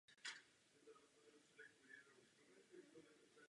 Téhož roku vstoupil do Komunistické strany Slovenska.